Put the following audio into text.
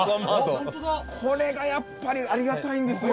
これがやっぱりありがたいんですよ。